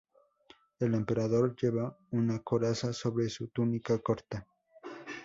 El Emperador lleva una coraza sobre su túnica corta.